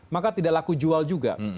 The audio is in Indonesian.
maka tidak laku jual juga